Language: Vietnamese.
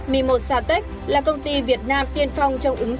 mimosa tech là công ty việt nam tiên phong trong ứng dụng